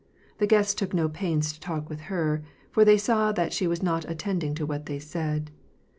The guests took no pains to talk with her, for they saw that she was not attending to what they said.